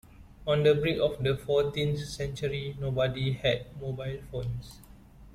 On the brink of the fourteenth century, nobody had mobile phones.